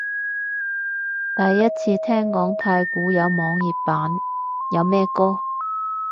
第一次聽講太鼓有網頁版，有咩歌？